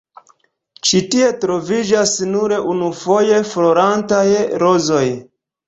Ĉi tie troviĝas nur unufoje florantaj rozoj.